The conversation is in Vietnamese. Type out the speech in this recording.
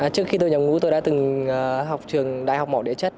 trước khi tôi nhập ngũ tôi đã từng học trường đại học mọ đĩa chất